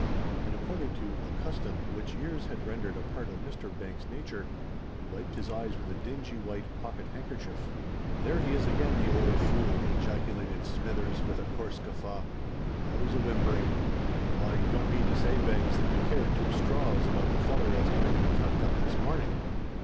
And, according to a custom which years had rendered a part of Mr. Banks's nature, he wiped his eyes with a dingy white pocket handkerchief. "There he is again, the old fool!" ejaculated Smithers, with a coarse guffaw; "always a whimpering! Why, you don't mean to say, Banks, that you care two straws about the feller that's going to be tucked up this morning?"